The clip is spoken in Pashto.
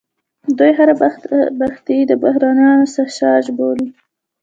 دوی هر بدبختي د بهرنیو سازش بولي.